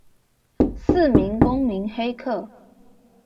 四名公民黑客